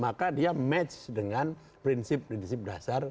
maka dia match dengan prinsip prinsip dasar